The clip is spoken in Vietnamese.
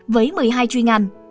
với một mươi hai chuyên ngành